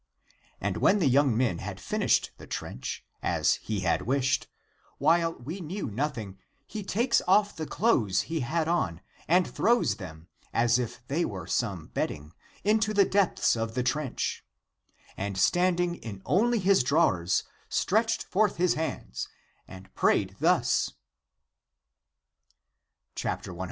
And when the young men had finished the trench, as he had wished, while we knew nothing, he takes off the clothes he had on, and throws them, as if they were some bedding, into the depths of the trench ; and standing in only his draw ers, stretched forth his hands, and prayed thus : 112.